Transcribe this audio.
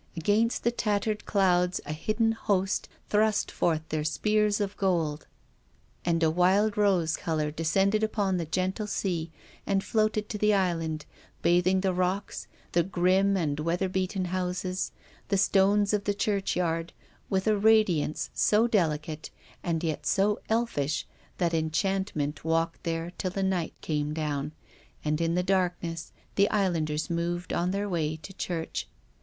Against the tattered clouds a hidden host thrust forth their spears of gold. And a wild rose colour de scended upon the gentle sea and floated to the island, bathing the rocks, the grim and weather beaten houses, the stones of the churchyard, with a radiance so delicate, and yet so elfish, that enchant ment walked there till the night came down, and in the darkness the islanders moved on their way to church.